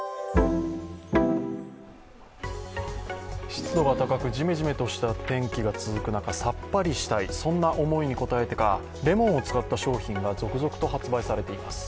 湿度が高くジメジメとした天気が続く中、さっぱりしたい、そんな思いに応えてかレモンを使った商品が続々と発売されています。